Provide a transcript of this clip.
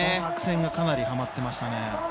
作戦がかなりはまっていました。